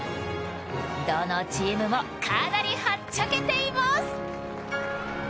どのチームも、かなりはっちゃけています。